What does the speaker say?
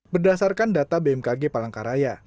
berdasarkan data bmkg palangkaraya